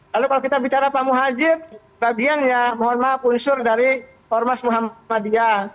lalu kalau kita bicara pak muhajir bagian ya mohon maaf unsur dari ormas muhammadiyah